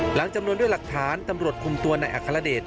จำนวนด้วยหลักฐานตำรวจคุมตัวในอัครเดช